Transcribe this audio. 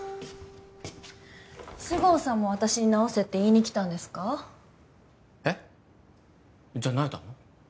菅生さんも私に直せって言いに来たんですか？えっ？じゃあ那由他も？